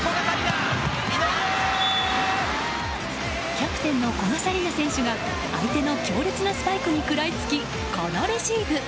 キャプテンの古賀紗理那選手が相手の強烈なスパイクに食らいつき、このレシーブ！